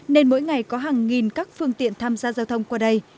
nên mỗi ngày có hàng nghìn các phương tiện tham gia giao thông qua đây